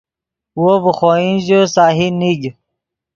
وو ڤے خوئن ژے سہی نیگ